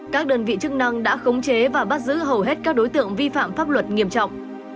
các đơn vị chức năng đã khống chế và bắt giữ hầu hết các đối tượng vi phạm pháp luật nghiêm trọng